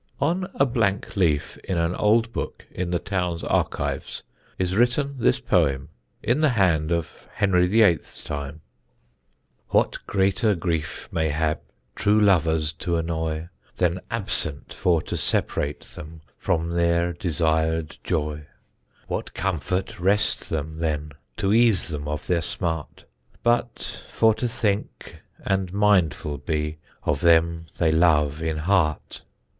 On a blank leaf in an old book in the town's archives is written this poem, in the hand of Henry VIII.'s time: What greater gryffe may hape Trew lovers to anoye, Then absente for to sepratte them From ther desiered joye? What comforte reste them then To ease them of ther smarte, But for to thincke and myndful bee Of them they love in harte?